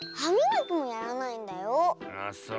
ああそう。